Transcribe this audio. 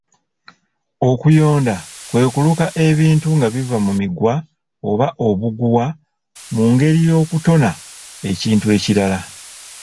Okuyonda kwe kuluka ebintu nga biva mu miguwa oba obuguwa mu ngeri y'okutona ekintu ekirala.